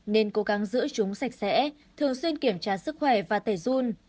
nên cố gắng giữ chúng sạch sẽ thường xuyên kiểm tra sức khỏe và tẩy dun